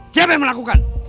siapa yang melakukan